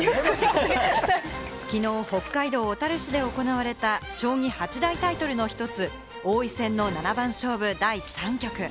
きのう、北海道小樽市で行われた将棋八大タイトルの１つ、王位戦の七番勝負第３局。